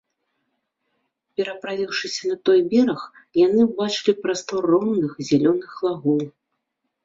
Пераправіўшыся на той бераг, яны ўбачылі прастор роўных зялёных лагоў.